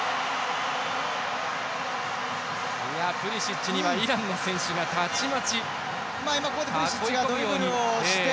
プリシッチにはイランの選手がたちまち、囲うようにして。